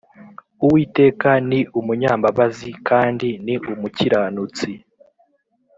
Uwiteka ni umunyambabazi kandi ni umukiranutsi